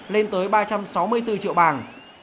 lên tới ba trăm sáu mươi bốn triệu bảng